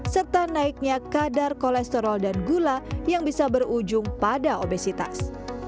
serta naiknya kadar kolesterol dan gula yang bisa berujung pada obesitas